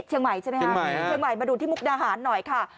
เชียงใหม่ใช่ไหมคะเชียงใหม่มาดูที่มุกดาหารหน่อยค่ะ